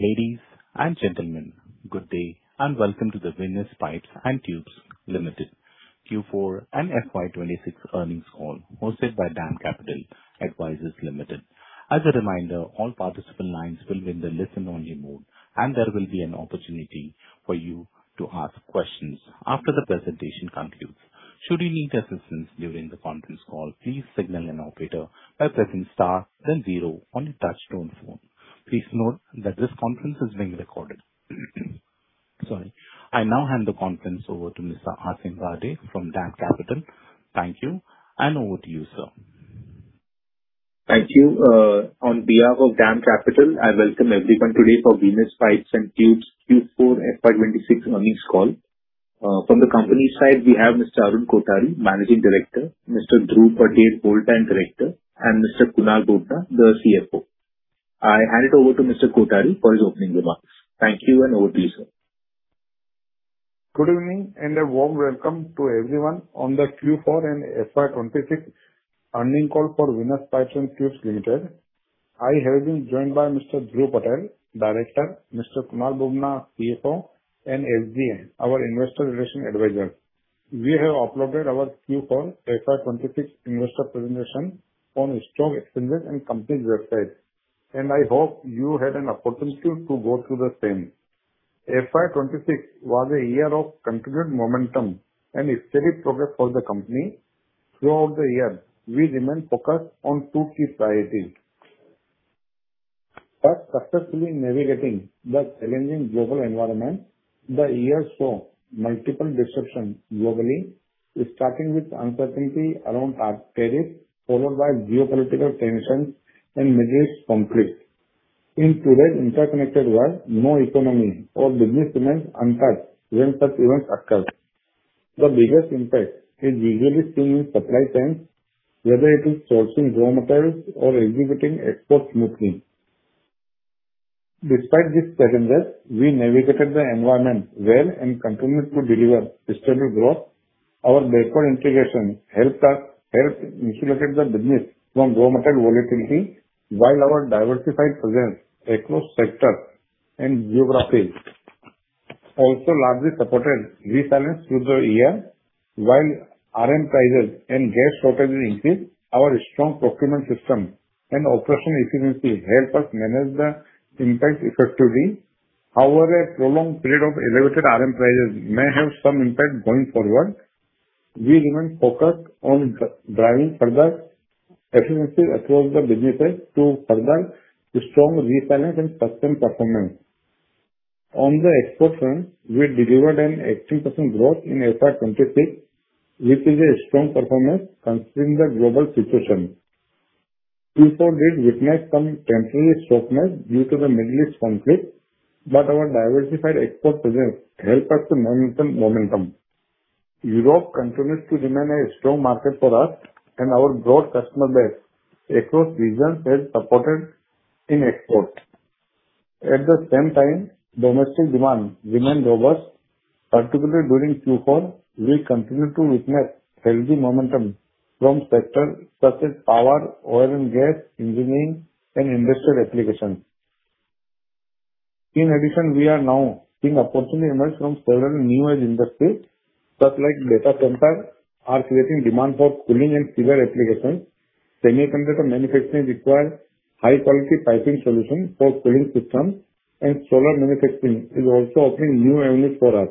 Ladies and gentlemen, good day. Welcome to the Venus Pipes and Tubes Limited Q4 and FY 2026 earnings call hosted by DAM Capital Advisors Limited. As a reminder, all participant lines will be in the listen-only mode. There will be an opportunity for you to ask questions after the presentation concludes. Should you need assistance during the conference call, please signal an operator by pressing star then zero on your touch-tone phone. Please note that this conference is being recorded. Sorry. I now hand the conference over to Mr. Aasim Bharde from DAM Capital. Thank you. Over to you, sir. Thank you. On behalf of DAM Capital, I welcome everyone today for Venus Pipes and Tubes Q4 FY 2026 earnings call. From the company side, we have Mr. Arun Kothari, Managing Director, Mr. Dhruv Patel, Whole Time Director, and Mr. Kunal Bubna, the CFO. I hand it over to Mr. Kothari for his opening remarks. Thank you. Over to you, sir. Good evening. A warm welcome to everyone on the Q4 and FY 2026 earning call for Venus Pipes and Tubes Limited. I have been joined by Mr. Dhruv Patel, Director, Mr. Kunal Bubna, CFO, and SDM, our investor relation advisor. We have uploaded our Q4 FY 2026 investor presentation on stock exchanges and company websites. I hope you had an opportunity to go through the same. FY 2026 was a year of continued momentum and steady progress for the company. Throughout the year, we remained focused on two key priorities. First, successfully navigating the challenging global environment. The year saw multiple disruptions globally, starting with uncertainty around hard tariffs, followed by geopolitical tensions and Middle East conflicts. In today's interconnected world, no economy or business remains untouched when such events occur. The biggest impact is usually seen in supply chains, whether it is sourcing raw materials or executing exports smoothly. Despite these challenges, we navigated the environment well and continued to deliver sustainable growth. Our backward integration helped mitigate the business from raw material volatility, while our diversified presence across sectors and geographies also largely supported resilience through the year. While raw material prices and gas shortages increased, our strong procurement system and operation efficiencies helped us manage the impact effectively. However, a prolonged period of elevated raw material prices may have some impact going forward. We remain focused on driving further efficiencies across the businesses to further strong resilience and custom performance. On the export front, we delivered an 18% growth in FY 2026, which is a strong performance considering the global situation. Q4 did witness some temporary softness due to the Middle East conflict, but our diversified export presence helped us to maintain momentum. Europe continues to remain a strong market for us, and our broad customer base across regions has supported in export. At the same time, domestic demand remained robust, particularly during Q4. We continued to witness healthy momentum from sectors such as power, oil and gas, engineering, and industrial applications. In addition, we are now seeing opportunity emerge from several new age industries, such as data centers are creating demand for cooling and chiller applications. Semiconductor manufacturing requires high-quality piping solutions for cooling systems, and solar manufacturing is also opening new avenues for us.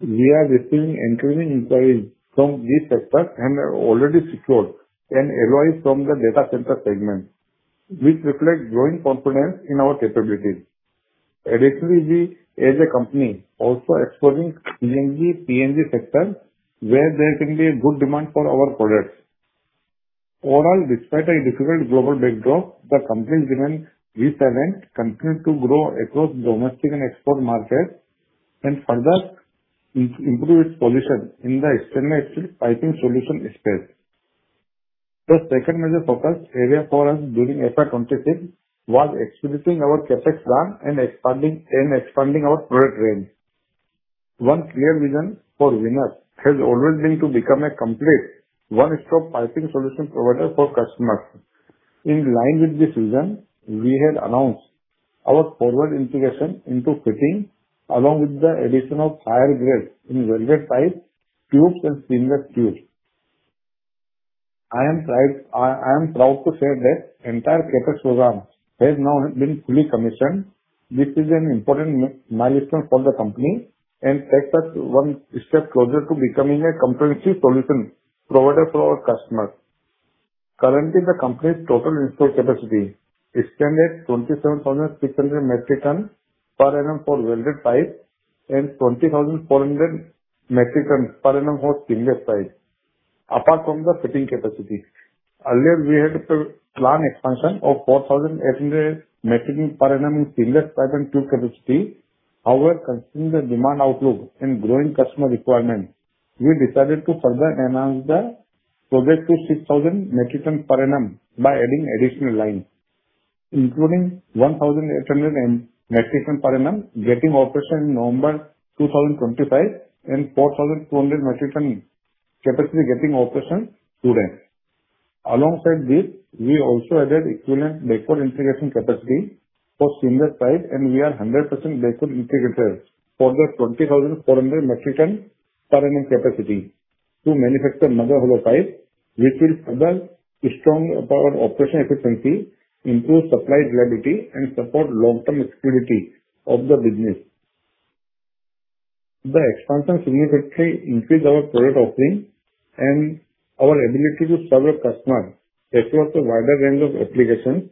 We are receiving increasing inquiries from these sectors and have already secured an LOI from the data center segment, which reflects growing confidence in our capabilities. Additionally, the company is also exploring the CNG, PNG sector where there can be a good demand for our products. Overall, despite a difficult global backdrop, the company remains resilient, continues to grow across domestic and export markets, and further improve its position in the stainless steel piping solution space. The second major focus area for us during FY 2026 was expediting our CapEx plan and expanding our product range. One clear vision for Venus has always been to become a complete one-stop piping solution provider for customers. In line with this vision, we had announced our forward integration into fitting, along with the addition of higher grades in welded pipes, tubes, and seamless tubes. I am proud to say that entire CapEx program has now been fully commissioned. This is an important milestone for the company and takes us one step closer to becoming a comprehensive solution provider for our customers. Currently, the company's total installed capacity stands at 27,600 metric tons per annum for welded pipes and 20,400 metric tons per annum for seamless pipes. Apart from the fitting capacity, earlier we had planned expansion of 4,800 metric tons per annum in seamless pipe and tube capacity. However, considering the demand outlook and growing customer requirements, we decided to further enhance the project to 6,000 metric tons per annum by adding additional lines, including 1,800 metric tons per annum getting into operation in November 2025 and 4,200 metric tons capacity getting into operation today. Alongside this, we also added equivalent backward integration capacity for seamless pipe and we are 100% backward integrated for the 20,400 metric tons per annum capacity to manufacture mother hollow pipes which will further strengthen our operational efficiency, improve supply reliability, and support long-term exclusivity of the business. The expansion significantly increases our product offering and our ability to serve our customers across a wider range of applications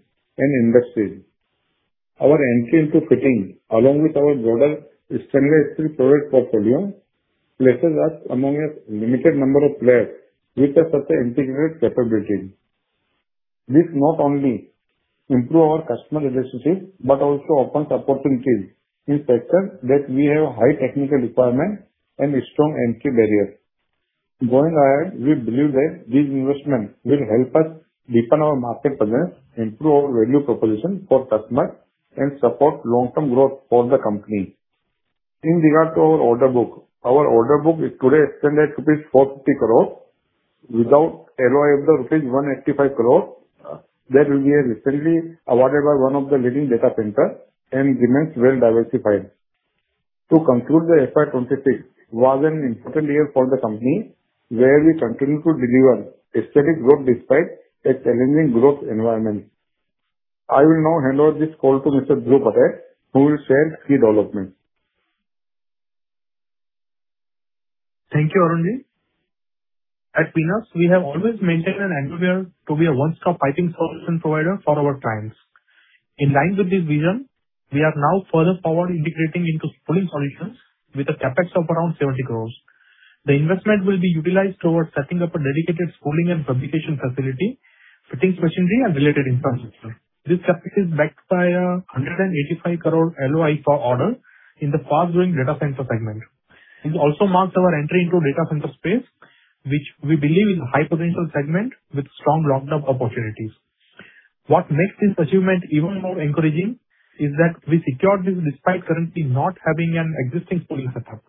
and industries. Our entry into fitting along with our broader stainless steel product portfolio places us among a limited number of players with such integrated capabilities. This not only improves our customer relationships but also opens opportunities in sectors that we have high technical requirements and strong entry barriers. Going ahead, we believe that this investment will help us deepen our market presence, improve our value proposition for customers and support long-term growth for the company. In regard to our order book, our order book is today estimated to be rupees 450 crores without LOI of rupees 185 crores that we have recently awarded by one of the leading data centers and remains well-diversified. To conclude, the FY 2023 was an important year for the company, where we continued to deliver steady growth despite a challenging growth environment. I will now hand over this call to Mr. Dhruv Patel, who will share key developments. Thank you, Arunji. At Venus, we have always maintained an ambition to be a one-stop piping solution provider for our clients. In line with this vision, we are now further forward integrating into spooling solutions with a CapEx of around 70 crore. The investment will be utilized towards setting up a dedicated spooling and fabrication facility, fittings machinery and related infrastructure. This CapEx is backed by 185 crore LOI for order in the fast-growing data center segment. This also marks our entry into data center space, which we believe is a high potential segment with strong locked-up opportunities. What makes this achievement even more encouraging is that we secured this despite currently not having an existing spooling setup.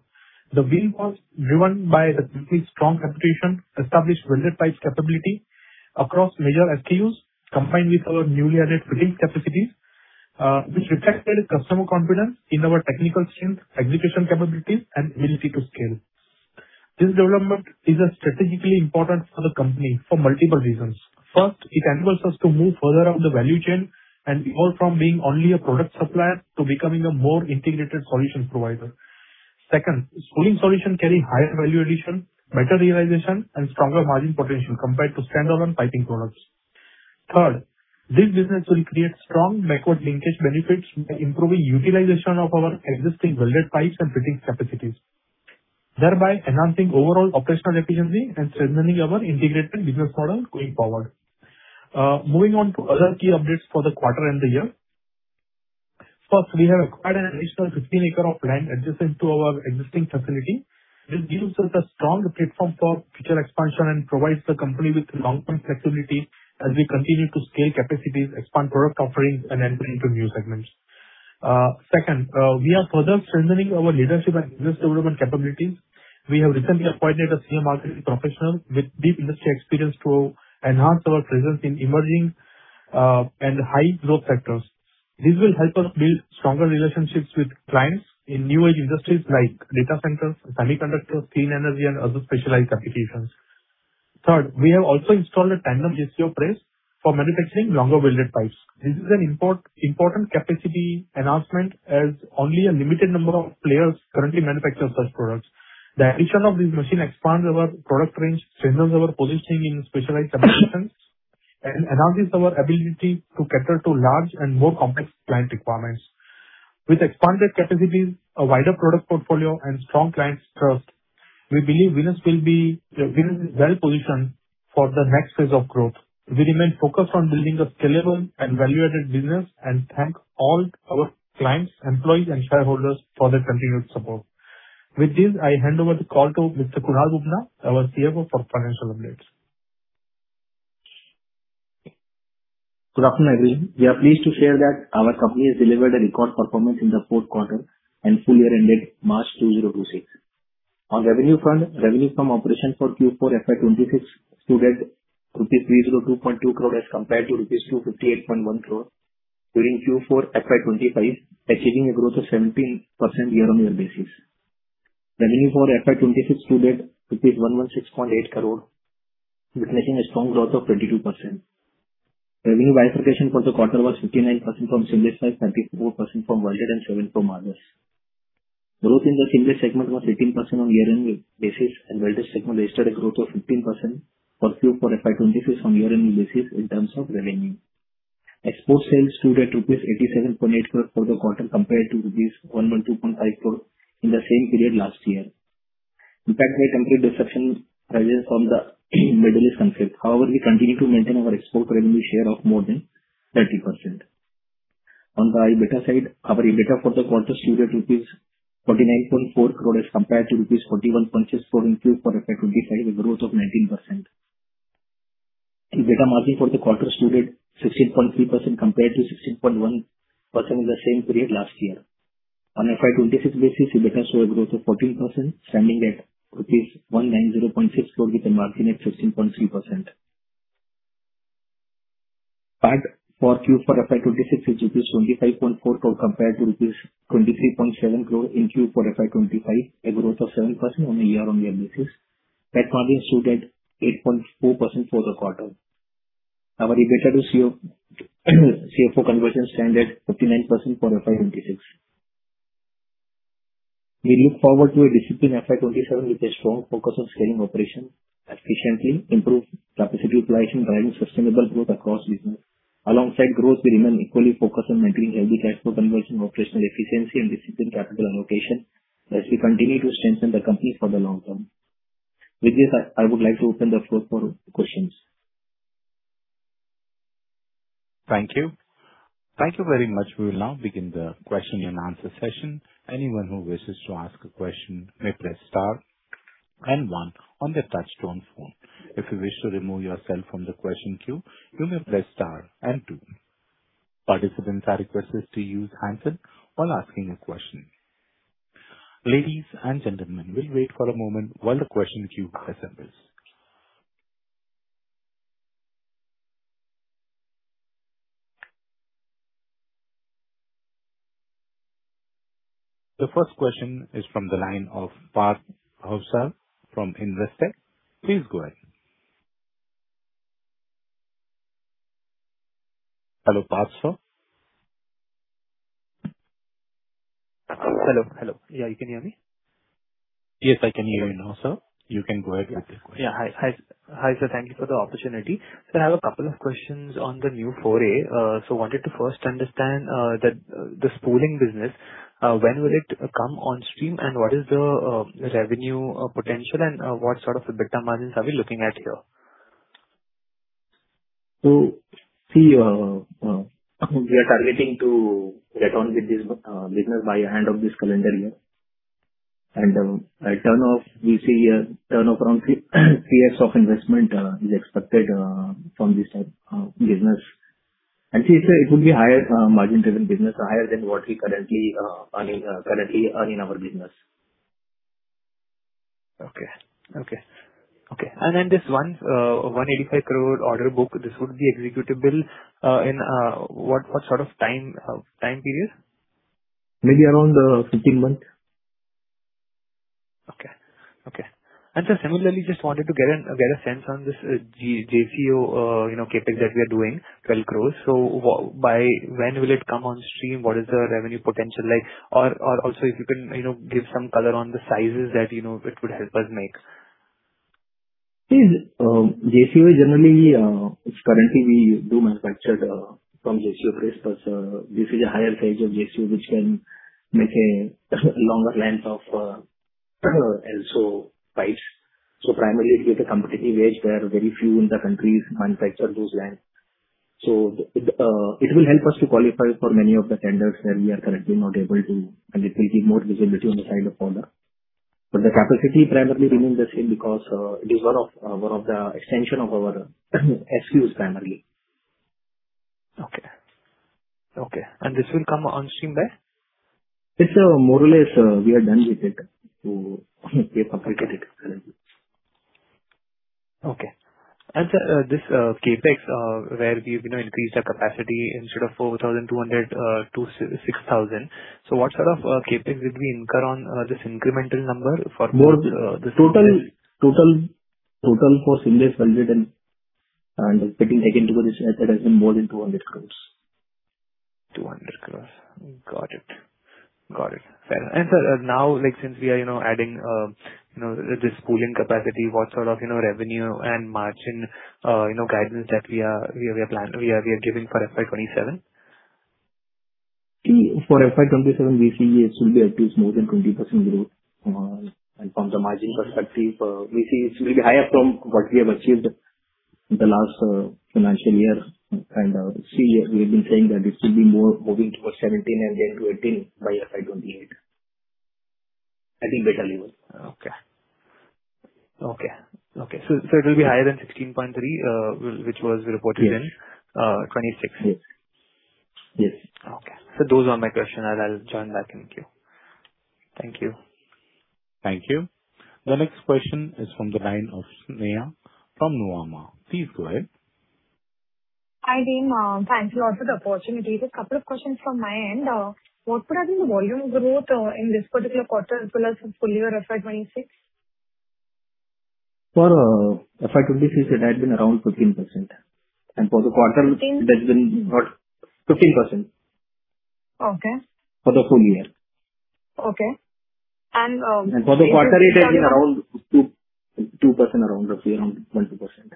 The win was driven by the group's strong reputation, established welded pipes capability across major SKUs, combined with our newly added fittings capacities which reflected customer confidence in our technical strength, execution capabilities and ability to scale. This development is strategically important for the company for multiple reasons. First, it enables us to move further up the value chain and evolve from being only a product supplier to becoming a more integrated solution provider. Second, spooling solution carry higher value addition, better realization and stronger margin potential compared to standalone piping products. Third, this business will create strong backward linkage benefits by improving utilization of our existing welded pipes and fittings capacities, thereby enhancing overall operational efficiency and strengthening our integrated business model going forward. Moving on to other key updates for the quarter and the year. First, we have acquired an additional 15 acres of land adjacent to our existing facility. This gives us a strong platform for future expansion and provides the company with long-term flexibility as we continue to scale capacities, expand product offerings, and enter into new segments. Second, we are further strengthening our leadership and business development capabilities. We have recently appointed a senior marketing professional with deep industry experience to enhance our presence in emerging and high-growth sectors. This will help us build stronger relationships with clients in new-age industries like data centers, semiconductors, clean energy, and other specialized applications. Third, we have also installed a tandem JCO press for manufacturing longer welded pipes. This is an important capacity enhancement as only a limited number of players currently manufacture such products. The addition of this machine expands our product range, strengthens our positioning in specialized applications and enhances our ability to cater to large and more complex client requirements. With expanded capacities, a wider product portfolio and strong clients trust, we believe Venus is well-positioned for the next phase of growth. We remain focused on building a scalable and value-added business, and thank all our clients, employees, and shareholders for their continued support. With this, I hand over the call to Mr. Kunal Bubna, our CFO, for financial updates. Good afternoon, everyone. We are pleased to share that our company has delivered a record performance in the fourth quarter and full year ended March 2026. On revenue front, revenue from operations for Q4 FY 2026 stood at rupees 302.2 crore as compared to rupees 258.1 crore during Q4 FY 2025, achieving a growth of 17% year-on-year basis. Revenue for FY 2026 stood at INR 116.8 crore, witnessing a strong growth of 22%. Revenue diversification for the quarter was 59% from seamless pipes, 34% from welded and seven from others. Growth in the seamless segment was 18% year-on-year basis, and welded segment registered a growth of 15% for Q4 FY 2026 year-on-year basis in terms of revenue. Export sales stood at rupees 87.8 crore for the quarter compared to rupees 112.5 crore in the same period last year, impacted by temporary disruptions arising from the Middle East conflict. However, we continue to maintain our export revenue share of more than 30%. On the EBITDA side, our EBITDA for the quarter stood at 49.4 crore as compared to rupees 41.64 in Q4 FY 2025 with a growth of 19%. EBITDA margin for the quarter stood at 16.3% compared to 16.1% in the same period last year. On a FY 2026 basis, EBITDA showed a growth of 14%, standing at 190.6 crore with a margin of 15.3%. PAT for Q for FY 2026 is INR 25.4 crore compared to INR 23.7 crore in Q for FY 2025, a growth of 7% year-on-year basis. Net margin stood at 8.4% for the quarter. Our EBITDA to CFO conversion stand at 59% for FY 2026. We look forward to a disciplined FY 2027 with a strong focus on scaling operations efficiently, improve capacity utilization, driving sustainable growth across business. Alongside growth, we remain equally focused on maintaining healthy cash flow conversion, operational efficiency and disciplined capital allocation, as we continue to strengthen the company for the long term. With this, I would like to open the floor for questions. Thank you. Thank you very much. We will now begin the question and answer session. Anyone who wishes to ask a question may press star and one on their touchtone phone. If you wish to remove yourself from the question queue, you may press star and two. Participants are requested to use handset while asking a question. Ladies and gentlemen, we will wait for a moment while the question queue assembles. The first question is from the line of Parth Hausa from Investec. Please go ahead. Hello, Parth sir. Hello. Hello. Yeah, you can hear me? Yes, I can hear you now, sir. You can go ahead with your question. Yeah. Hi, sir. Thank you for the opportunity. Sir, I have a couple of questions on the new foray. I wanted to first understand the spooling business. When will it come on stream, and what is the revenue potential, and what sort of EBITDA margins are we looking at here? We are targeting to get on with this business by end of this calendar year. By turn of, we see a turnover around three years of investment is expected from this business. It will be a higher margin-driven business, higher than what we currently earn in our business. Okay. This 185 crore order book, this would be executable in what sort of time period? Maybe around 15 months. Okay. Sir, similarly, just wanted to get a sense on this JCO CapEx that we are doing, INR 12 crore. By when will it come on stream, what is the revenue potential like? Also if you can give some color on the sizes that it would help us make. JCO generally, currently we do manufacture from JCO pipes. This is a higher gauge of JCO which can make a longer length of LSAW pipes. Primarily, it is a competitive edge. There are very few in the country who manufacture those lengths. It will help us to qualify for many of the tenders where we are currently not able to, and it will give more visibility on the side of order. The capacity primarily remains the same because it is one of the extension of our SKUs primarily. Okay. This will come on stream by? It's more or less we are done with it to get completed. Okay. Sir, this CapEx where we've increased our capacity instead of 4,200 to 6,000. What sort of CapEx did we incur on this incremental number for- Total for seamless welded and putting into this has been more than 200 crore. 200 crore. Got it. Fair. Sir, now, since we are adding this spooling capacity, what sort of revenue and margin guidance that we are giving for FY 2027? See, for FY 2027, we see it should be at least more than 20% growth. From the margin perspective, we see it will be higher from what we have achieved in the last financial year. We have been saying that it should be more moving towards 17% and then to 18% by FY 2028. I think better level. Okay. It will be higher than 16.3%, which was reported. Yes in 2026? Yes. Okay. Sir, those are my questions. I'll join back. Thank you. Thank you. Thank you. The next question is from the line of Sneha from Nomura. Please go ahead. Hi, team. Thanks a lot for the opportunity. Just a couple of questions from my end. What would have been the volume growth in this particular quarter as well as the full year of FY 2026? For FY 2026, it had been around 15%. For the quarter. Fifteen? It has been about 15%. Okay. For the full year. Okay. For the quarter, it has been around 2% roughly, around multiple percent.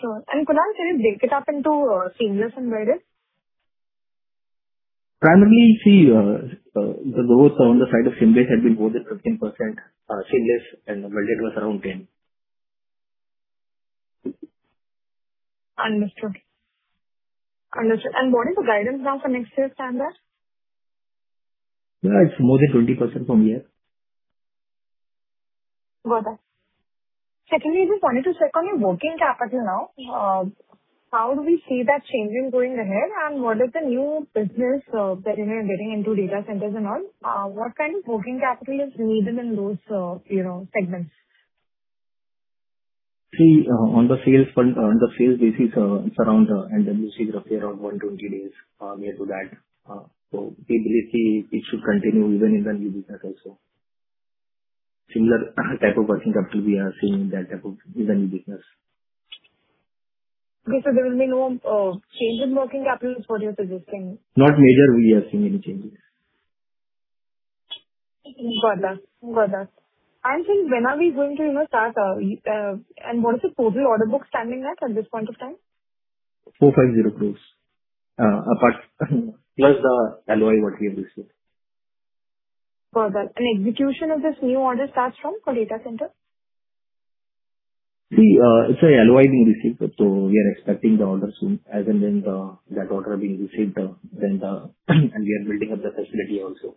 Sure. Could I maybe break it up into seamless and welded? Primarily, see, the growth on the side of seamless had been more than 15%, seamless and the welded was around 10%. Understood. What is the guidance now for next year's standard? It's more than 20% from here. Got that. Secondly, I just wanted to check on your working capital now. How do we see that changing going ahead, and what is the new business that you're getting into data centers and all? What kind of working capital is needed in those segments? On the sales basis, it's around, then you see it appear around one to two days near to that. We believe it should continue even in the new business also. Similar type of working capital we are seeing in the new business. Okay. There will be no change in working capital is what you're suggesting. Not major we are seeing any changes. Got that. Sir, when are we going to start, and what is the total order book standing at at this point of time? 450 crores. Plus the LOI what we have received. Execution of this new order starts from for data center? See, it's an LOI being received, so we are expecting the order soon. As and when that order being received, and we are building up the facility also.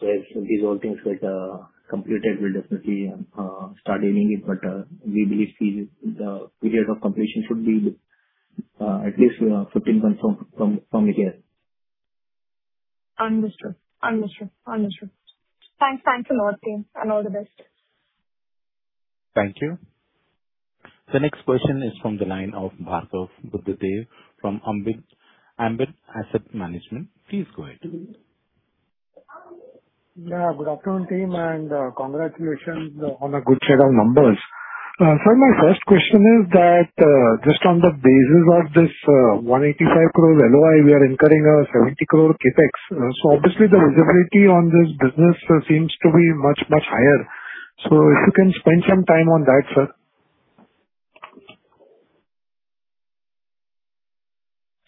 These all things get completed, we'll definitely start earning it, but we believe the period of completion should be at least 15 months from here. Understood. Thanks a lot, team, and all the best. Thank you. The next question is from the line of Bhargav Buddhadev from Ambit Asset Management. Please go ahead. Yeah. Good afternoon, team, congratulations on a good set of numbers. Sir, my first question is that just on the basis of this 185 crore LOI, we are incurring a 70 crore CapEx. Obviously the visibility on this business seems to be much, much higher. If you can spend some time on that, sir.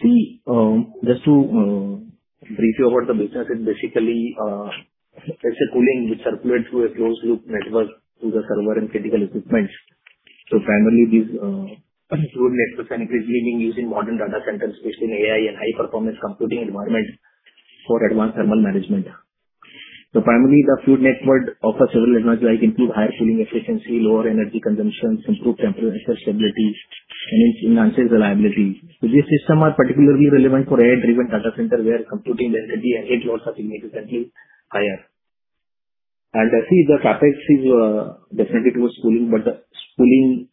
See, just to brief you about the business, basically, there's a cooling which circulates through a closed loop network to the server and critical equipment. Primarily these fluid networks are increasingly being used in modern data centers, especially in AI and high-performance computing environments for advanced thermal management. Primarily, the fluid network offers several advantages like improved high cooling efficiency, lower energy consumption, improved temperature stability, and it enhances reliability. These systems are particularly relevant for AI-driven data centers where computing density and heat loads are significantly higher. I see the CapEx is definitely towards cooling, but the cooling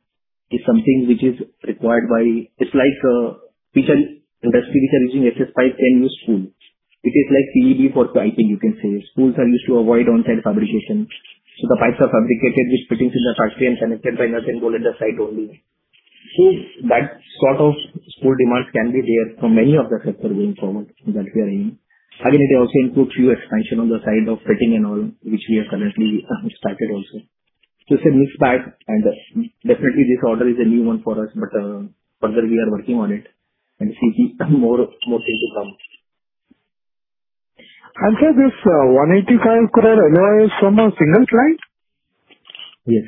is something which is required by It's like each industry which are using SS pipe can use cooling. It is like PEB for piping you can say. Spools are used to avoid on-site fabrication. The pipes are fabricated with fittings in the factory and connected by nuts and bolt at the site only. That sort of spool demand can be there for many of the sector going forward that we are in. Again, it also includes few expansion on the side of fitting and all, which we have currently started also. It's a mix bag and definitely this order is a new one for us. Further, we are working on it and see more things to come. Sir, this 185 crore LOI is from a single client? Yes.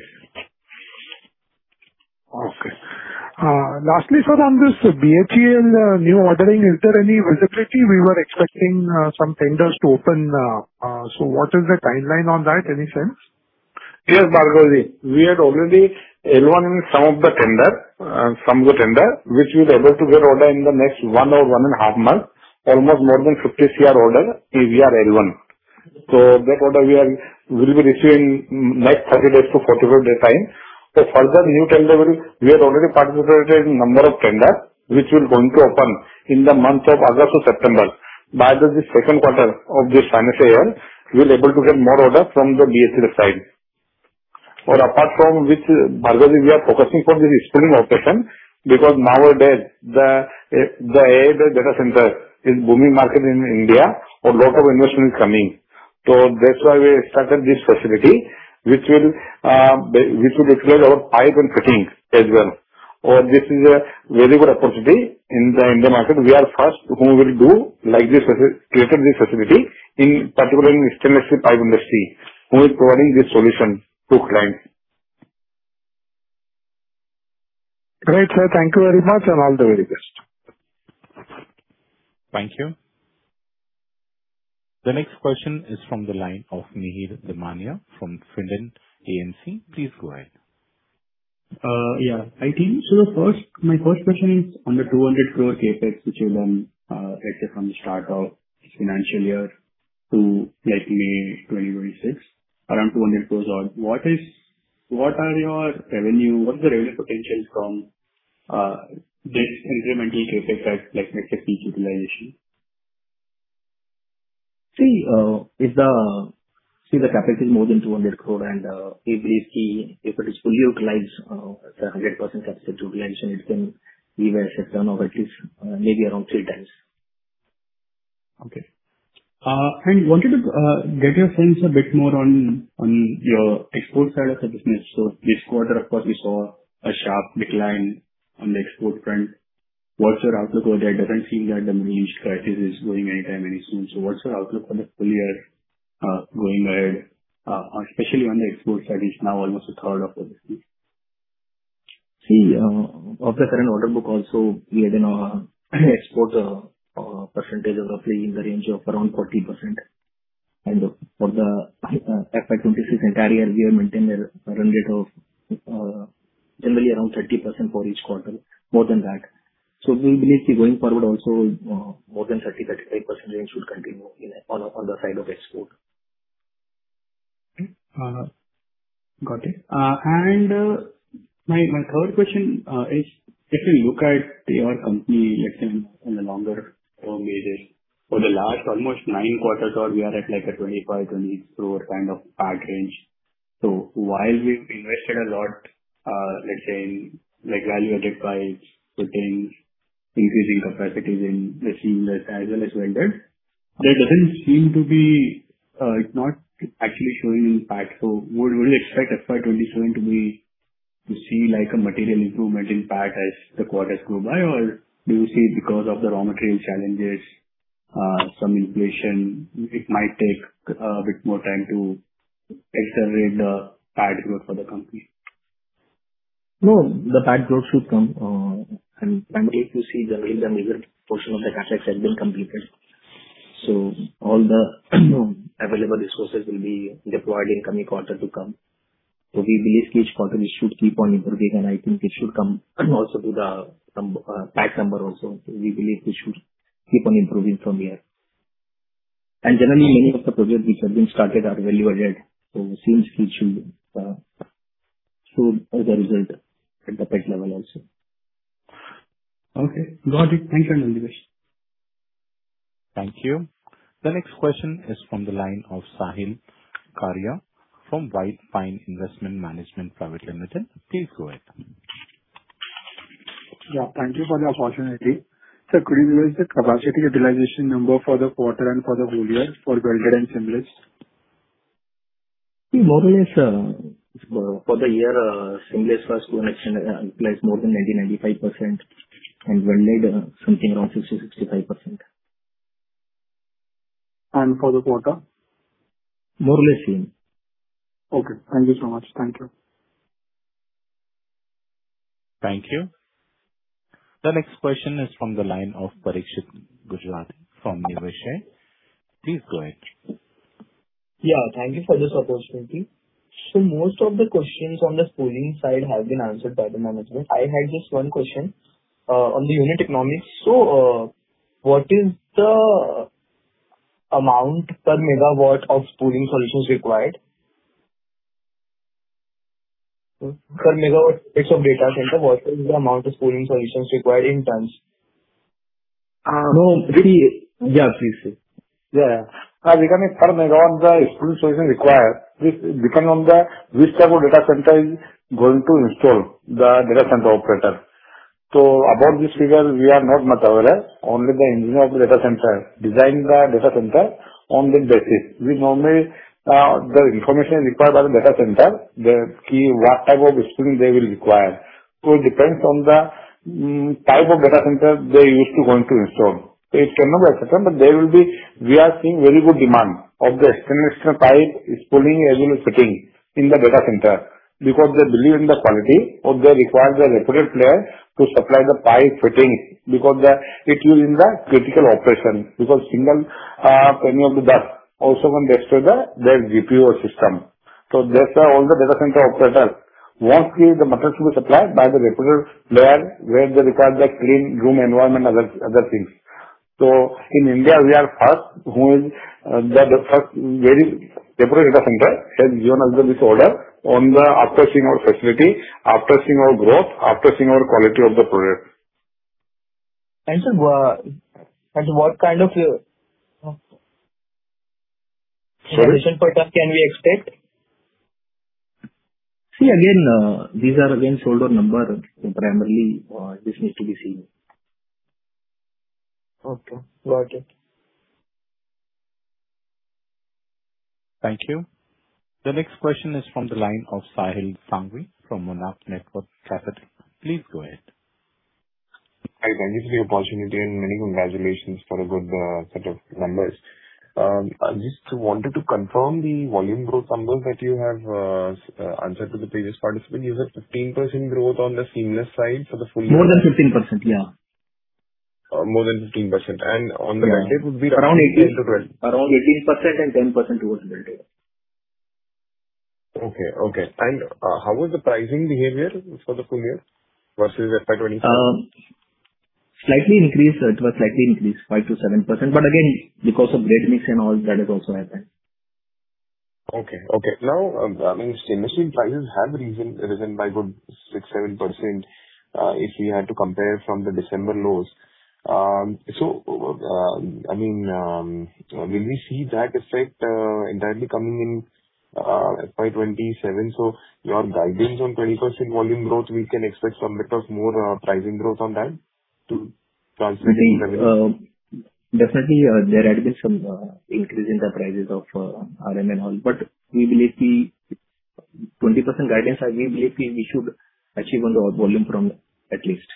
Okay. Lastly, sir, on this BHEL new ordering, is there any visibility? We were expecting some tenders to open. What is the timeline on that? Any sense? Yes, Bhargavji. We had already L1 in some of the tender which we will able to get order in the next one or one and a half months. Almost more than INR 50 crore order we are L1. That order we will be receiving next 30 days to 45 day time. Further new tender, we have already participated in number of tenders which will going to open in the months of August or September. By the second quarter of this financial year, we will able to get more orders from the BHEL side. Apart from which, Bhargavji, we are focusing from this spooling operation because nowadays the AI data center is booming market in India. A lot of investment is coming. That is why we started this facility which will accelerate our pipe and fittings as well. This is a very good opportunity in the market. We are first who will do like this, created this facility, in particular in stainless steel pipe industry, who is providing this solution to clients. Great, sir. Thank you very much and all the very best. Thank you. The next question is from the line of Mihir Damania from Fillan AMC. Please go ahead. Yeah. Hi, team. My first question is on the 200 crore CapEx, which you won, let's say from the start of financial year to like May 2026, around 200 crore. What are your revenue? What's the revenue potential from this incremental CapEx at like let's say peak utilization? See the CapEx is more than 200 crore and we believe if it is fully utilized, the 100% CapEx utilization, it can give us a turnover at least maybe around three times. Okay. Wanted to get your sense a bit more on your export side of the business. This quarter, of course, we saw a sharp decline on the export front. What's your outlook over there? It doesn't seem that the Middle East crisis is going anytime any soon. What's your outlook on the full year going ahead, especially on the export side, it's now almost a third of the business. See, of the current order book also, we are doing our exports percentage roughly in the range of around 14%. For the FY 2026 and carrier, we have maintained a run rate of generally around 30% for each quarter, more than that. We believe going forward also, more than 30%, 35% range should continue on the side of export. Okay. Got it. My third question is, if you look at your company, let's say, in the longer term basis, for the last almost 9 quarters, we are at an 25 crore-28 crore kind of PAT range. While we've invested a lot, let's say, like value-added pipes, fittings, increasing capacities in seamless as well as welded, it's not actually showing impact. Would we expect FY 2027 to see a material improvement in PAT as the quarters go by, or do you see it because of the raw material challenges, some inflation, it might take a bit more time to accelerate the PAT growth for the company? No, the PAT growth should come. Primarily if you see generally the major portion of the CapEx has been completed. All the available resources will be deployed in coming quarter to come. We believe each quarter we should keep on improving, and I think it should come also to the PAT number also. We believe we should keep on improving from here. Generally, many of the projects which have been started are value-added, it seems it should show as a result at the PAT level also. Okay, got it. Thank you and congratulations. Thank you. The next question is from the line of Sahil Karia from White Pine Investment Management Private Limited. Please go ahead. Yeah, thank you for the opportunity. Sir, could you give us the capacity utilization number for the quarter and for the whole year for welded and seamless? More or less, for the year, seamless was actually utilized more than 90%-95%, and welded something around 60%-65%. For the quarter? More or less same. Okay. Thank you so much. Thank you. Thank you. The next question is from the line of Parikshit Gujarati from Niveshaay. Please go ahead. Yeah. Thank you for this opportunity. Most of the questions on the spooling side have been answered by the management. I had just one question on the unit economics. What is the amount per megawatt of spooling solutions required? Per megawatt extra data center, what is the amount of spooling solutions required in tons? No. Yeah, please say. Yeah. Becoming part of megawatts, the spooling solution required, this become on the which type of data center is going to install the data center operator. About this figure, we are not much aware. Only the engineer of data center design the data center on the basis. We normally, the information required by the data center, the key, what type of spooling they will require. It depends on the type of data center they used to going to install. It cannot be certain, but there will be. We are seeing very good demand of the extension pipe spooling as well as fitting in the data center because they believe in the quality or they require the reputed player to supply the pipe fitting because it used in the critical operation. Because single penny on the dock also going to destroy their GPU system. That's why all the data center operators want the materials to be supplied by the reputed player where they require the clean room environment and other things. In India, we are first, the very reputed data center has given us this order after seeing our facility, after seeing our growth, after seeing our quality of the product. Sir, what kind of Sorry. Investment per ton can we expect? See, again, these are again sold order number. Primarily, this needs to be seen. Okay, got it. Thank you. The next question is from the line of Sahil Sanghvi from Monarch Networth Capital Limited. Please go ahead. Hi. Thank you for your opportunity and many congratulations for a good set of numbers. I just wanted to confirm the volume growth numbers that you have answered to the previous participant. You said 15% growth on the seamless side for the full year. More than 15%, yeah. More than 15%. On the welded would be around. Around 18% and 10% towards welded. Okay. How was the pricing behavior for the full year versus FY 2027? Slightly increased. It was slightly increased 5%-7%. Again, because of grade mix and all, that has also happened. Okay. Seamless tube prices have risen by a good 6%, 7%, if we had to compare from the December lows. Will we see that effect entirely coming in FY 2027? Your guidance on 20% volume growth, we can expect some bit of more pricing growth on that to translate into revenue. Definitely, there had been some increase in the prices of RM and all. We believe the 20% guidance, I believe we should achieve on the volume front, at least.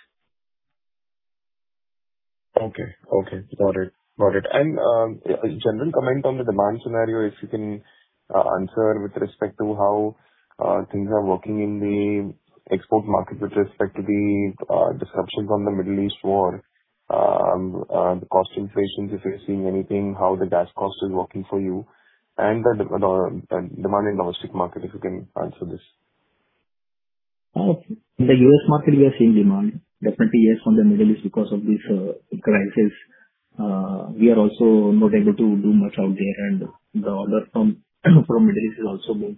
Okay. Got it. A general comment on the demand scenario, if you can answer with respect to how things are working in the export market with respect to the disruptions on the Middle East war, the cost inflation, if you're seeing anything, how the gas cost is working for you, and the demand in domestic market, if you can answer this. In the U.S. market, we are seeing demand. Definitely, yes, from the Middle East because of this crisis. We are also not able to do much out there, the order from Middle East is also gone.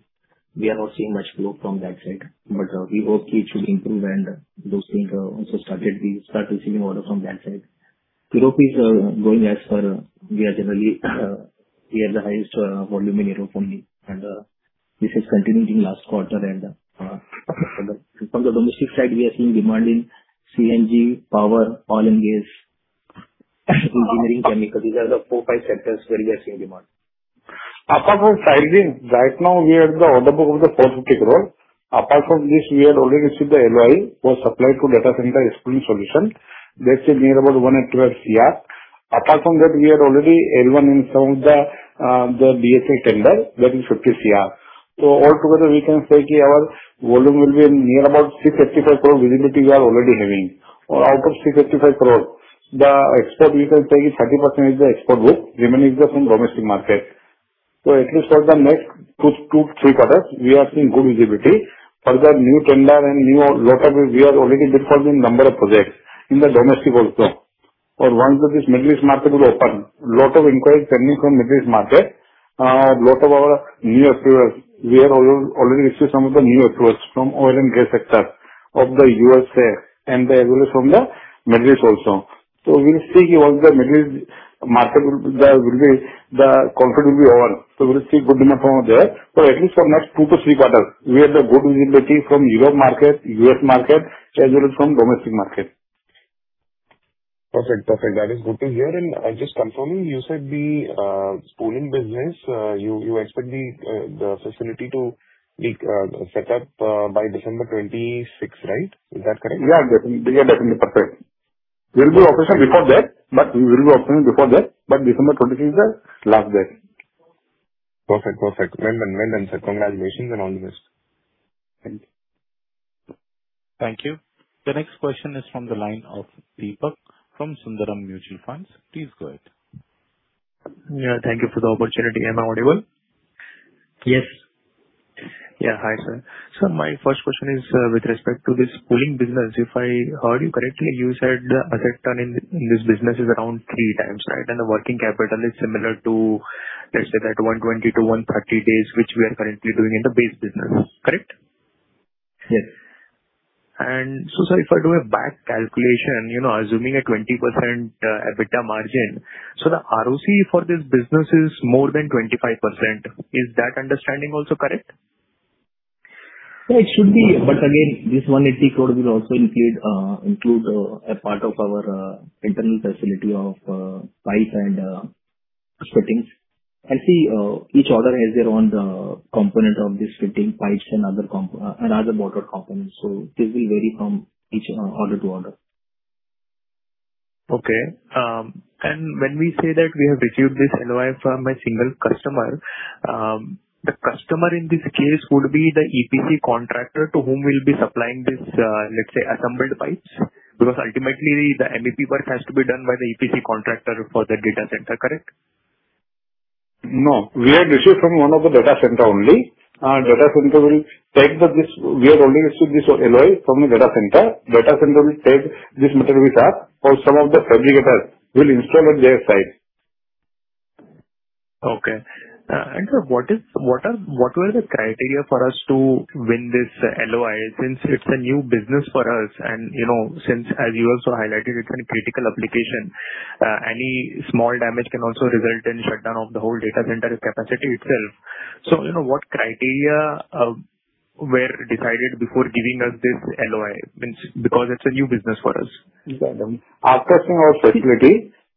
We are not seeing much flow from that side, we hope it should improve and those things also started. We start receiving order from that side. Europe is going as per. We generally have the highest volume in Europe only, this is continuing last quarter. From the domestic side, we are seeing demand in CNG, power, oil and gas, engineering, chemical. These are the four-five sectors where we are seeing demand. Apart from Tirlin, right now we have the order book of the 450 crore. Apart from this, we have already received the LOI for supply to data center spooling solution. That's near about 112 crore. Apart from that, we are already L1 in some of the BHEL tender, that is 50 crore. Altogether, we can say our volume will be near about 355 crore visibility we are already having. Out of 355 crore, the export we can say is 30% is the export book, remaining is from domestic market. At least for the next two, three quarters, we are seeing good visibility. Further, new tender and new order, we have already bid for the number of projects in the domestic also. Once this Middle East market will open, lot of inquiries coming from Middle East market. We have already received some of the new approvals from oil and gas sector of the USA and the others from the Middle East also. We will see once the Middle East market, the conflict will be over. We will see good demand from there. At least for next two to three quarters, we have the good visibility from Europe market, US market, as well as from domestic market. Perfect. That is good to hear. Just confirming, you said the spooling business, you expect the facility to be set up by December 26, right? Is that correct? Yeah. Perfect. We'll do operation before that, December 26 is the last date. Perfect. Well done, sir. Congratulations. All the best. Thank you. Thank you. The next question is from the line of Deepak from Sundaram Mutual Fund. Please go ahead. Yeah. Thank you for the opportunity. Am I audible? Yes. Yeah. Hi, sir. My first question is with respect to this spooling business. If I heard you correctly, you said the asset turn in this business is around three times, right? The working capital is similar to, let's say that 120-130 days, which we are currently doing in the base business. Correct? Yes. Sir, if I do a back calculation, assuming a 20% EBITDA margin, the ROC for this business is more than 25%. Is that understanding also correct? It should be, this 180 crore will also include a part of our internal facility of pipe and fittings. Each order has their own component of this fitting pipes and other motor components. This will vary from each order to order. When we say that we have received this LOI from a single customer, the customer in this case would be the EPC contractor to whom we'll be supplying this, let's say, assembled pipes. Because ultimately, the MEP work has to be done by the EPC contractor for the data center, correct? We have received from one of the data center only. Data center will take this. We have only received this LOI from the data center. Data center will take this material with us or some of the fabricators will install on their site. Okay. Sir, what were the criteria for us to win this LOI since it's a new business for us, and since, as you also highlighted, it's a critical application. Any small damage can also result in shutdown of the whole data center capacity itself. What criteria were decided before giving us this LOI? Because it's a new business for us. Exactly.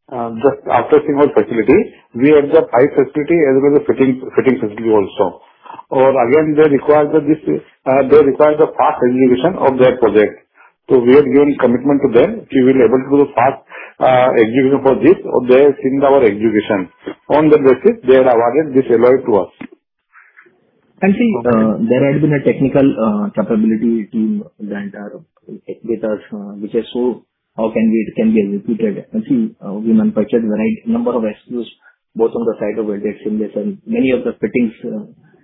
After seeing our facility, we have the pipe facility as well as the fitting facility also. Again, they require the fast execution of their project. We have given commitment to them. We will be able to do fast execution for this. They've seen our execution. On that basis, they have awarded this LOI to us. See, there had been a technical capability team that our tech data, which has showed how can it be executed. See, we manufacture the right number of SKUs, both on the side of welded seamless and many of the fittings.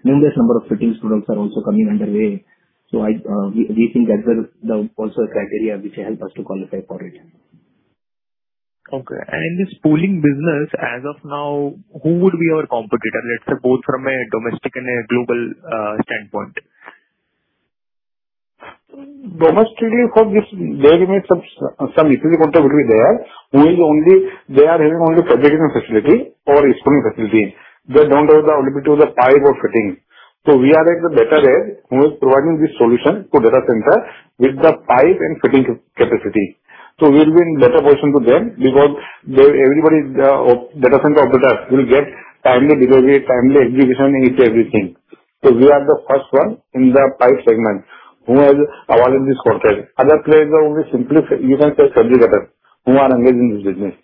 Numerous number of fittings products are also coming underway. We think that was also a criteria which helped us to qualify for it. Okay. This spooling business, as of now, who would be our competitor, let's say, both from a domestic and a global standpoint? Domestically, for this, there remains some little competitor is there. They are having only fabrication facility or spooling facility. They don't have the ability to the pipe or fitting. We are at the better way who is providing this solution to data center with the pipe and fitting capacity. We will be in better position to them because everybody's data center operators will get timely delivery, timely execution into everything. We are the first one in the pipe segment who has awarded this contract. Other players are only simply, you can say, substitutes who are engaged in this business.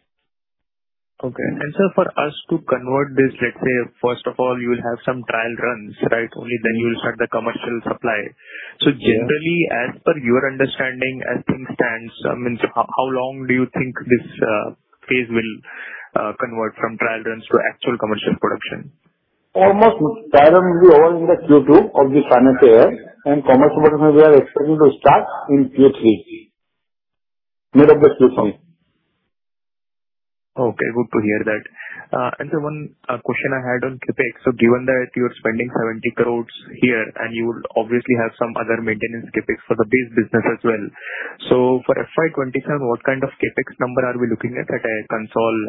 Okay. Sir, for us to convert this, let's say, first of all, you will have some trial runs, right? Only then you will start the commercial supply. Yeah. Generally, as per your understanding, as things stand, how long do you think this phase will convert from trial runs to actual commercial production? Almost trial will be over in the Q2 of this financial year, commercial production we are expecting to start in Q3, mid of the Q3. Okay, good to hear that. Sir, one question I had on CapEx. Given that you are spending 70 crore here, you will obviously have some other maintenance CapEx for the base business as well. For FY 2027, what kind of CapEx number are we looking at at a console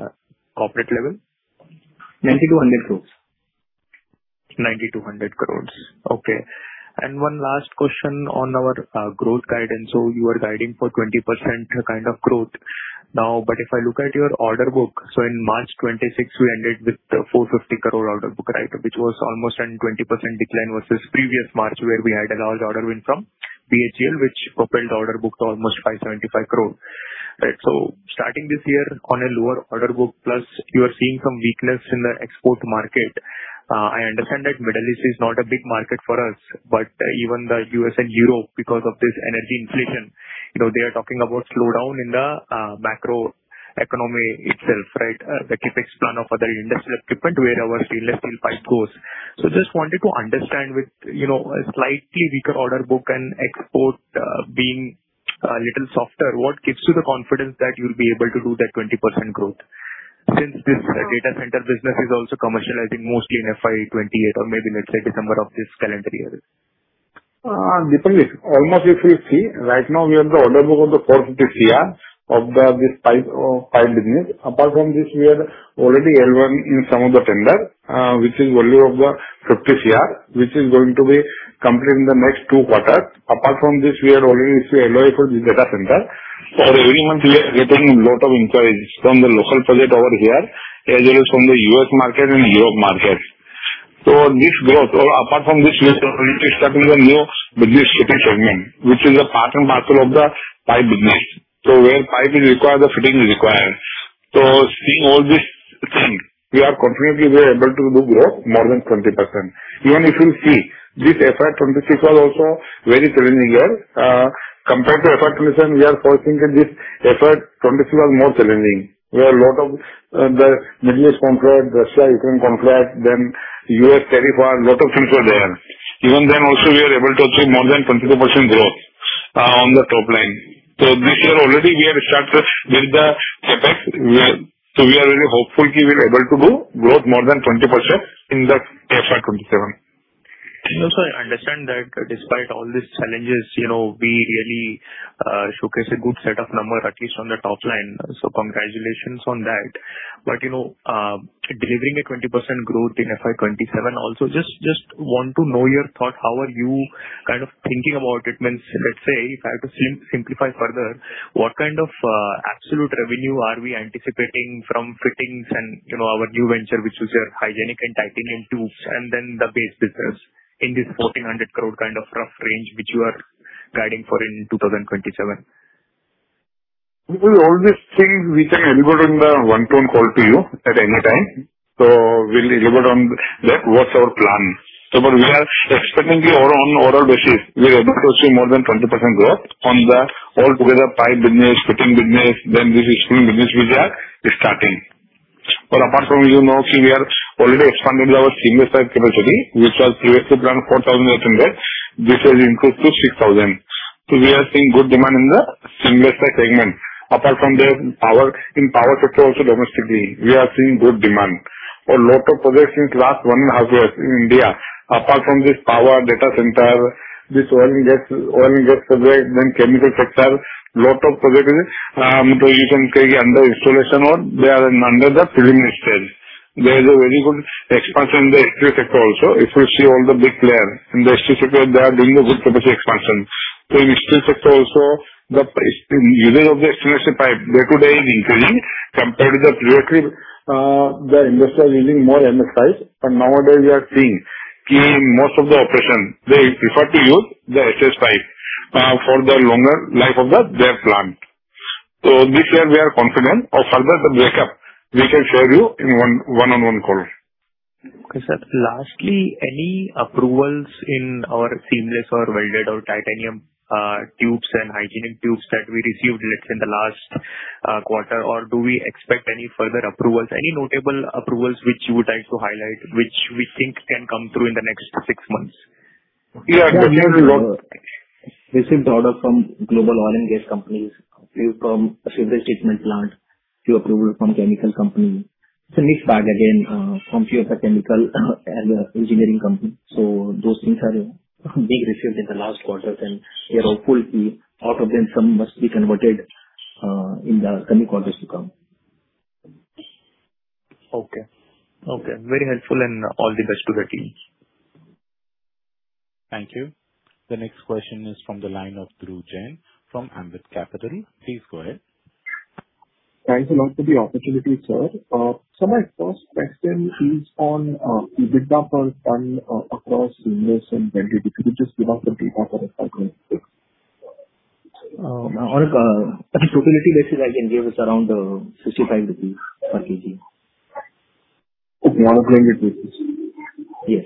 corporate level? 90-100 crore. 90-100 crore. Okay. One last question on our growth guidance. You are guiding for 20% kind of growth. If I look at your order book, in March 2026, we ended with 450 crore order book, right? Which was almost a 20% decline versus previous March where we had a large order win from BHEL which propelled the order book to almost 575 crore. Right. Starting this year on a lower order book plus you are seeing some weakness in the export market. I understand that Middle East is not a big market for us, but even the U.S. and Europe, because of this energy inflation, they are talking about slowdown in the macro economy itself, right? The CapEx plan of other industrial equipment where our stainless steel pipe goes. Just wanted to understand with a slightly weaker order book and export being a little softer, what gives you the confidence that you will be able to do that 20% growth since this data center business is also commercializing mostly in FY 2028 or maybe let's say December of this calendar year? Definitely. Almost if you see, right now, we have the order book of the INR 450 crore of this pipe business. Apart from this, we are already L1 in some of the tender, which is value of 50 crore, which is going to be complete in the next 2 quarters. Apart from this, we are already LOI for this data center. Every month we are getting lot of inquiries from the local project over here, as well as from the U.S. market and Europe market. This growth, apart from this, we are already starting a new business fitting segment, which is a part and parcel of the pipe business. Where pipe is required, the fitting is required. Seeing all this thing, we are confidently we are able to do growth more than 20%. Even if you see, this FY 2026 was also very challenging year. Compared to FY 2027, we are focusing this FY 2026 was more challenging, where lot of the Middle East conflict, Russia-Ukraine conflict, then U.S. tariff war, lot of things were there. Even then also, we are able to achieve more than 22% growth on the top line. This year already we have started with the CapEx. We are very hopeful we will able to do growth more than 20% in the FY 2027. No, sir, I understand that despite all these challenges, we really showcase a good set of numbers, at least on the top line. Congratulations on that. Delivering a 20% growth in FY 2027 also, just want to know your thought. How are you kind of thinking about it? Let's say, if I have to simplify further, what kind of absolute revenue are we anticipating from fittings and our new venture, which is your hygienic and titanium tubes, and then the base business in this 1,400 crore kind of rough range which you are guiding for in 2027? All these things we can elaborate in the one-to-one call to you at any time. We'll elaborate on that, what's our plan. But we are expecting on order basis, we are able to achieve more than 20% growth on the altogether pipe business, fitting business, then this new business which we are starting. Apart from this, we are already expanding our seamless pipe capacity, which was previously around 4,000 tons a day. This has increased to 6,000. We are seeing good demand in the seamless pipe segment. Apart from that, in power sector also domestically, we are seeing good demand. Lot of projects in last one-half year in India, apart from this power data center, this oil and gas project, then chemical sector, lot of project is, you can say, under installation or they are under the preliminary stage. There is a very good expansion in the steel sector also. If you see all the big player in the steel sector, they are doing a good capacity expansion. In steel sector also, the usage of the stainless steel pipe day to day is increasing compared to the previously, the industry was using more MS pipes. Nowadays we are seeing key most of the operation, they prefer to use the SS pipe for the longer life of their plant. This year we are confident. Of further the breakup, we can share you in one-on-one call. Okay, sir. Lastly, any approvals in our seamless or welded or titanium tubes and hygienic tubes that we received, let's say in the last quarter? Do we expect any further approvals, any notable approvals which you would like to highlight, which we think can come through in the next six months? We have received. We received order from global oil and gas companies, few from sewage treatment plant, few approval from chemical company. It's a mixed bag again from few of the chemical and engineering company. Those things are being received in the last quarter, and we are hopeful out of them, some must be converted in the coming quarters to come. Okay. Very helpful, and all the best to the team. Thank you. The next question is from the line of Dhruv Jain from Ambit Capital. Please go ahead. Thanks a lot for the opportunity, sir. My first question is on the bid done across If you could just give us the data for that. On a profitability basis, I can give is around 65 rupees per kg. On a blended basis. Yes.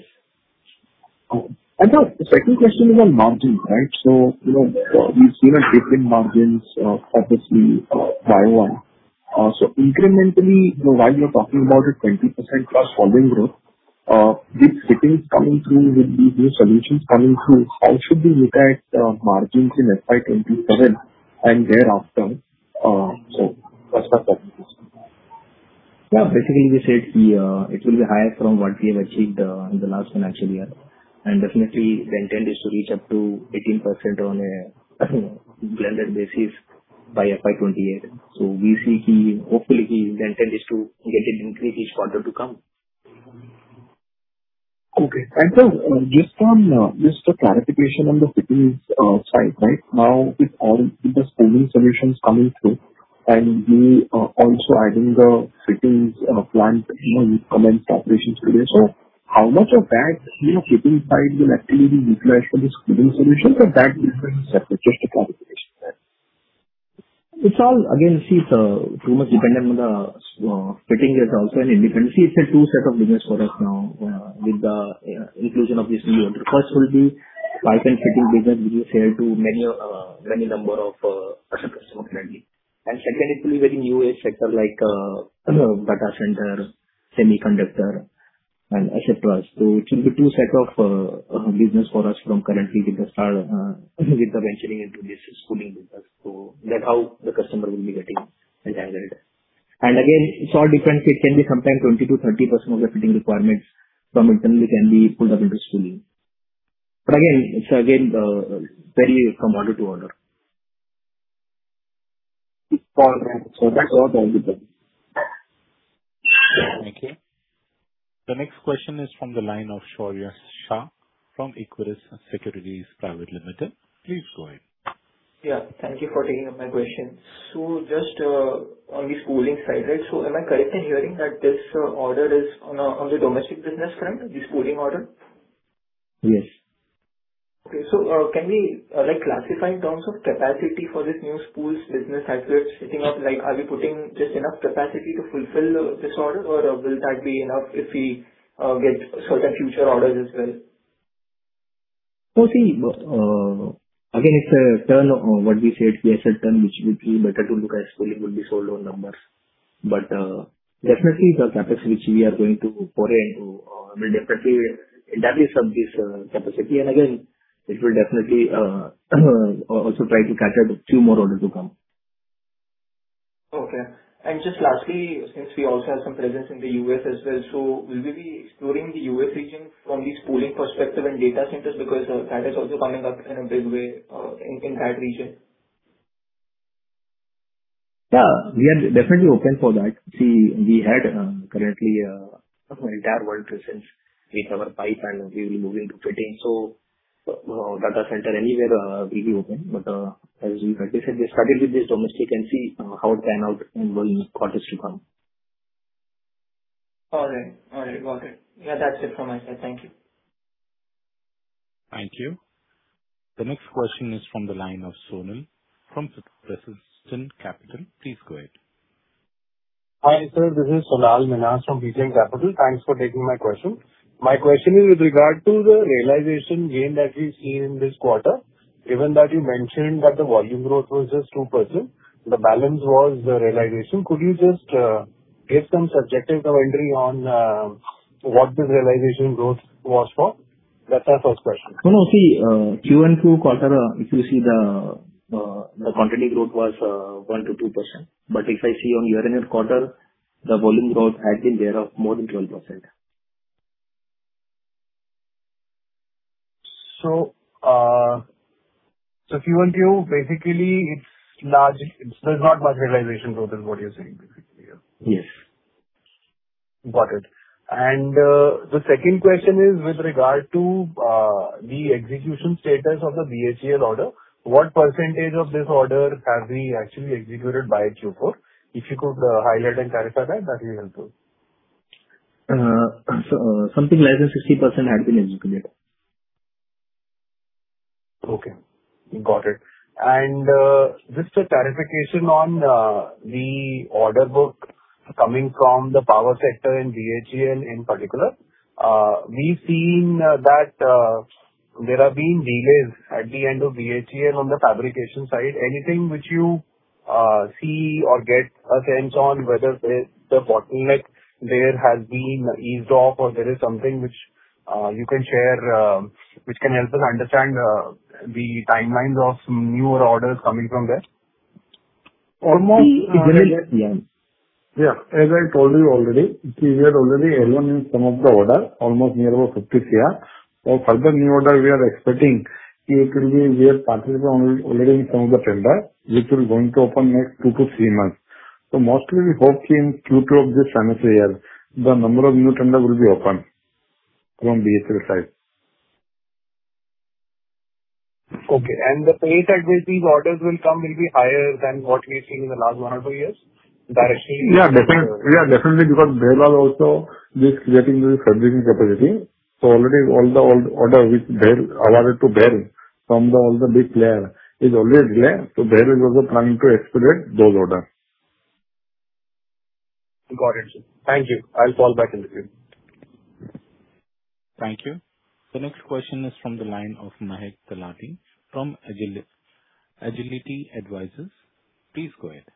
The second question is on margin, right? We've seen a decline in margins, obviously, by one. Incrementally, while you're talking about a 20% plus volume growth, these fittings coming through with these new solutions coming through, how should we look at margins in FY 2027 and thereafter? That's my second question. Basically, we said it will be higher from what we have achieved in the last financial year. Definitely, the intent is to reach up to 18% on a blended basis by FY 2028. We see, hopefully, the intent is to get it increased each quarter to come. Just a clarification on the fittings side. Now, with all the spooling solutions coming through and you also adding the fittings plant, you know, you commenced operations today. How much of that fitting side will actually be utilized for the spooling solution, for that different sector? Just a clarification there. It's all, again, too much dependent on the fitting is also an independent. It's a two set of business for us now with the inclusion of this new enterprise will be pipe and fitting business. We will sell to many number of customers only. Secondly, it will be very new sector like data center, semiconductor, etc. It will be two set of business for us from currently with the venturing into this spooling business. That how the customer will be getting entangled. Again, it's all different. It can be sometime 20%-30% of the fitting requirements from internally can be pulled up into spooling. Again, it vary from order to order. All right. That's all then. Thank you. The next question is from the line of Shaurya Shah from Equirus Securities Private Limited. Please go ahead. Yeah, thank you for taking up my question. Just on the spooling side. Am I correct in hearing that this order is on the domestic business front, the spooling order? Yes. Okay. Can we classify in terms of capacity for this new spools business as we're setting up? Are we putting just enough capacity to fulfill this order, or will that be enough if we get certain future orders as well? See, again, we have said turn, which will be better to look at spooling will be sold on numbers. Definitely the capacity which we are going to pour in will definitely establish up this capacity. Again, it will definitely also try to cater to more orders to come. Okay. Just lastly, since we also have some presence in the U.S. as well, will we be exploring the U.S. region from the spooling perspective and data centers because that has also coming up in a big way in that region? Yeah, we are definitely open for that. See, we had currently entire world presence with our pipe, and we will be moving to fitting. Data center anywhere, we'll be open. As we said, we started with this domestic and see how it pan out in quarters to come. All right. Got it. Yeah, that is it from my side. Thank you. Thank you. The next question is from the line of Sonal from Precision Capital. Please go ahead. Hi, sir. This is Sonal Meena from Precision Capital. Thanks for taking my question. My question is with regard to the realization gain that we see in this quarter, given that you mentioned that the volume growth was just 2%, the balance was the realization. Could you just give some subjective commentary on what this realization growth was for? That is our first question. See, Q1 two quarter, if you see the continuing growth was 1%-2%. If I see on year-over-year quarter, the volume growth has been there of more than 12%. Q1 two, basically, there's not much realization growth is what you're saying, basically, yeah. Yes. Got it. The second question is with regard to the execution status of the BHEL order. What percentage of this order have we actually executed by Q4? If you could highlight and clarify that will be helpful. Something like 60% had been executed. Okay, got it. Just a clarification on the order book coming from the power sector and BHEL in particular. We've seen that there have been delays at the end of BHEL on the fabrication side. Anything which you see or get a sense on whether the bottleneck there has been eased off or there is something which you can share which can help us understand the timelines of newer orders coming from there. Almost- Yes. As I told you already, we are already L1 in some of the order, almost near about 50 crore. For further new order, we are expecting it will be we are participating already in some of the tender, which will going to open next 2-3 months. Mostly we hope in Q2 of this financial year, the number of new tender will be open from BHEL side. Okay. The pace at which these orders will come will be higher than what we've seen in the last one or two years directly? Definitely, because Behror also is creating this fabrication capacity. Already all the old order which they've allotted to Behror from all the big players is always there. Behror is also trying to expedite those orders. Got it. Thank you. I'll fall back in the queue. Thank you. The next question is from the line of Mahesh Talati from Agility Advisors. Please go ahead.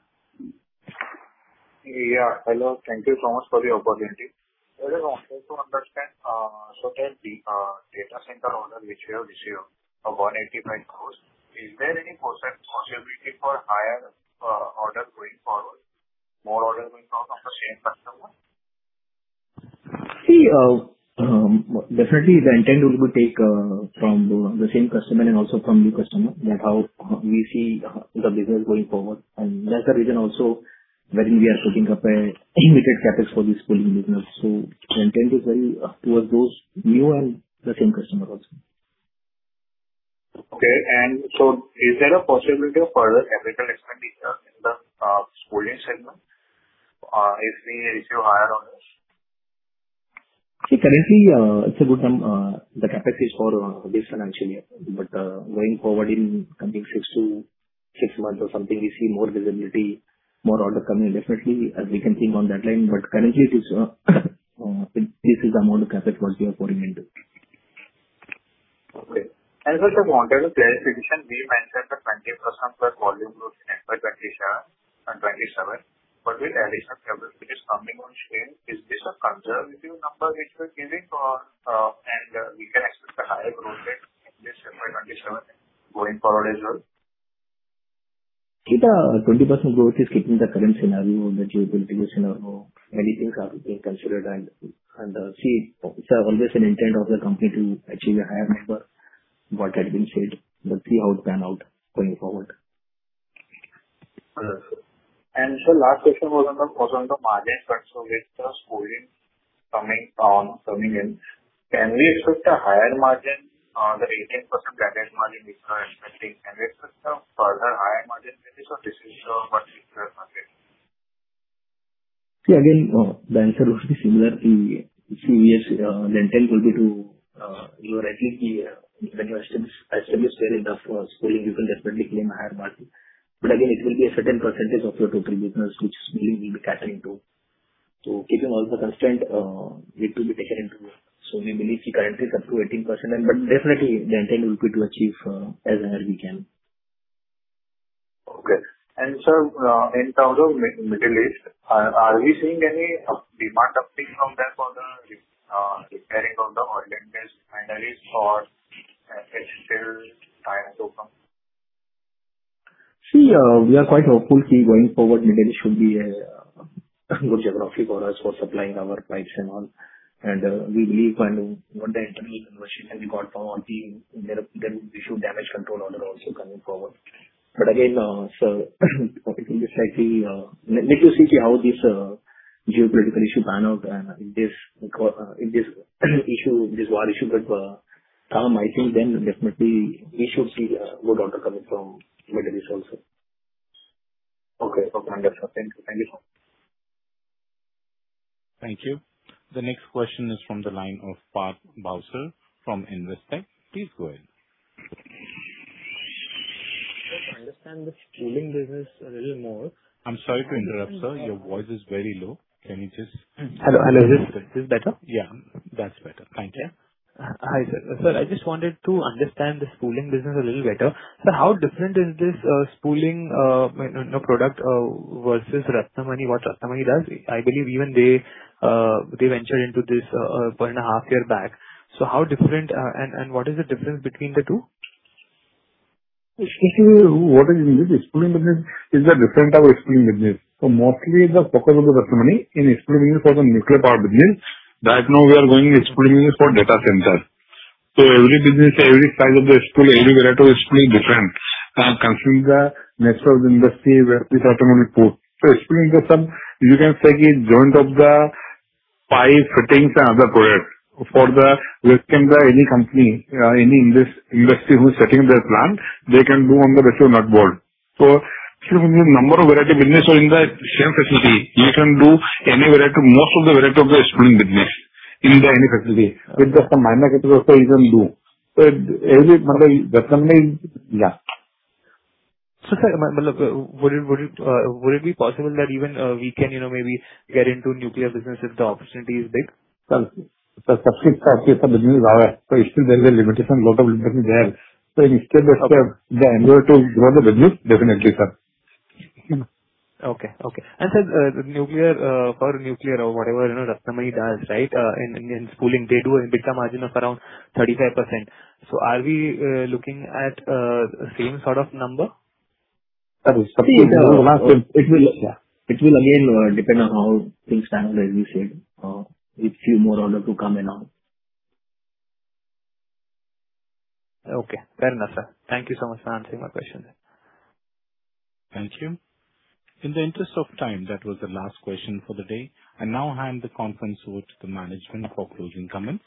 Yeah. Hello. Thank you so much for the opportunity. Sir, I wanted to understand, so there's the data center order which you have received of 185. Is there any possibility for higher orders going forward, more orders going forward from the same customer? See, definitely the intent will be take from the same customer and also from new customer that how we see the business going forward. That's the reason also wherein we are putting up a limited capacity for this spooling business. The intent is very towards those new and the same customer also. Okay. Is there a possibility of further capital expenditure in the spooling segment, if we receive higher orders? Currently, the capacity is for this financial year. Going forward in coming six months or something, we see more visibility, more order coming definitely as we can think on that line. Currently, this is the amount of capacity what we are putting into. Okay. Also wanted a clarity addition. We mentioned the 20%+ volume growth in FY 2027. With addition capacity which is coming on stream, is this a conservative number which we are giving, and we can expect a higher growth rate in this FY 2027 going forward as well? See, the 20% growth is keeping the current scenario, the geopolitical scenario, many things are being considered. See, it's always an intent of the company to achieve a higher number. What had been said, we'll see how it pan out going forward. Understood. Sir, last question was on the margin front. With the spooling coming in, can we expect a higher margin? The 18% margin which we are expecting, can we expect a further higher margin maybe? This is what we expect margin. Again, the answer would be similar. Yes, the intent would be to. You are rightly, when you establish fair enough spooling, you can definitely claim higher margin. Again, it will be a certain percentage of your total business which spooling will be catering to. Keeping all the constraint, it will be taken into. We believe currently it's up to 18%, but definitely the intent will be to achieve as higher we can. Okay. Sir, in terms of Middle East, are we seeing any demand uptick from there for the repairing of the oil and gas pipelines or FPSOs, tiebacks or something? We are quite hopeful. Going forward, Middle East should be a good geography for us for supplying our pipes and all. We believe when the internal conversion can be got from there we should damage control order also coming forward. Again, sir, taking this slightly, let us see how this geopolitical issue pan out and this war issue that come, I think then definitely we should see good order coming from Middle East also. Okay. Understood. Thank you, sir. Thank you. The next question is from the line of Parth Bhavsar from Investec. Please go ahead. To understand the spooling business a little more- I'm sorry to interrupt, sir. Your voice is very low. Can you just- Hello. Is this better? Yeah, that's better. Thank you. Hi, sir. Sir, I just wanted to understand the spooling business a little better. Sir, how different is this spooling product versus Ratnamani, what Ratnamani does? I believe even they ventured into this one and a half year back. How different and what is the difference between the two? Especially what is in this spooling business is a different type of spooling business. Mostly the focus of the Ratnamani in spooling business for the nuclear power business. Right now we are going spooling business for data center. Every business, every size of the spool, every variety of spool is different. Considering the nature of the industry where this Ratnamani put. Spooling is the sum, you can say is joint of the pipe fittings and other products. For the, let's say any company, any industry who is setting their plant, they can do on the ratio not board. Actually the number of variety business are in the same facility. You can do any variety, most of the variety of the spooling business in any facility with just a minor category also you can do. Every model doesn't mean Yeah. Sir, would it be possible that even we can maybe get into nuclear business if the opportunity is big? Sir, subscribe for nuclear business is there. Still there is a limitation, lot of limitation there. Instead of the angle to grow the business, definitely, sir. Okay. Sir, for nuclear or whatever Ratnamani does, right, in spooling, they do a bit of margin of around 35%. Are we looking at same sort of number? That is possible. It will again depend on how things pan out, as we said. If few more order to come in all. Okay, fair enough, sir. Thank you so much for answering my question then. Thank you. In the interest of time, that was the last question for the day. I now hand the conference over to the management for closing comments.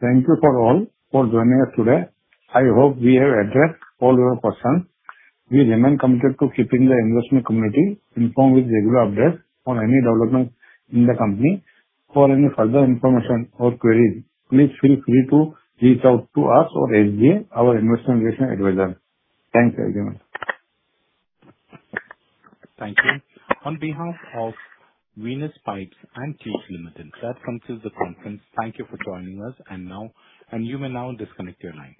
Thank you for all for joining us today. I hope we have addressed all your questions. We remain committed to keeping the investment community informed with regular updates on any developments in the company. For any further information or queries, please feel free to reach out to us or HDA, our investment relation advisor. Thanks everyone. Thank you. On behalf of Venus Pipes and Tubes Limited, that concludes the conference. Thank you for joining us, and you may now disconnect your line.